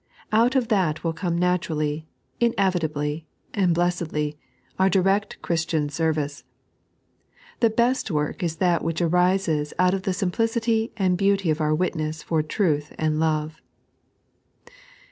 Out of that will come naturally, inevitably, and blessedly, our direct Christian service. The beet work is that which arises out of the simplicity and beauty of our witness for truth and love.